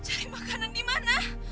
cari makanan dimana